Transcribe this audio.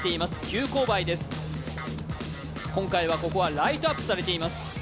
急勾配です、今回はここはライトアップされています。